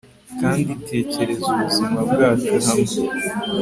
kandi tekereza ubuzima bwacu hamwe